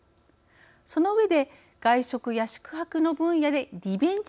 その上で外食や宿泊の分野でリベンジ